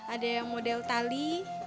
ada yang model tali